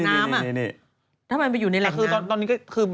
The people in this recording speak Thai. แล้วทำไมไม่อยู่ในแหล่งน้ำ